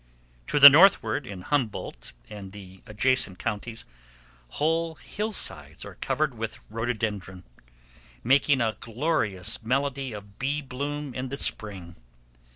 To the northward, in Humboldt and the adjacent counties, whole hillsides are covered with rhododendron, making a glorious melody of bee bloom in the spring.